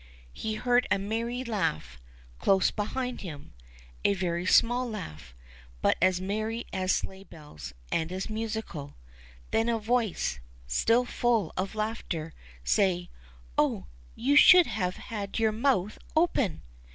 He heard a merry laugh, close beside him — a very small laugh, but as merry as sleigh bells, and as musical. Then a voice, still full of laughter, said, Oh ! you should have had your mouth open